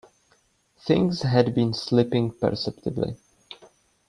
Things had been slipping perceptibly.